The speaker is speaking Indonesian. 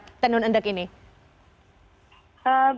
mbak antari apa penyebabnya penun endek ini